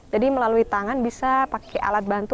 jadi melalui tangan bisa pakai alat bantu